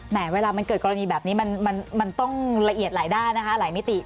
เวลามันเกิดกรณีแบบนี้มันต้องละเอียดหลายด้านนะคะหลายมิติ